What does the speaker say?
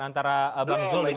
antara bang zul dan ibu mega